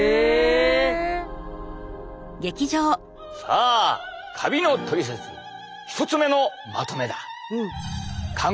さあカビのトリセツ１つ目のまとめだ！